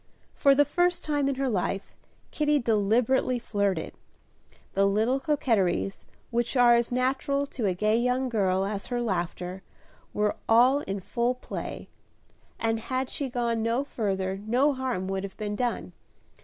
For the first time in her life, Kitty deliberately flirted. The little coquetries, which are as natural to a gay young girl as her laughter, were all in full play, and had she gone no further no harm would have been done.